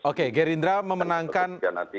oke gerindra memenangkan